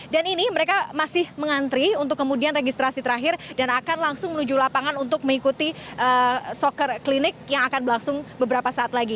dan ini mereka masih mengantri untuk kemudian registrasi terakhir dan akan langsung menuju lapangan untuk mengikuti soccer clinic yang akan berlangsung beberapa saat lagi